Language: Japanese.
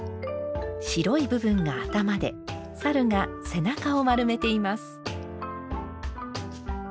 白い部分が頭で猿が背中を丸めています。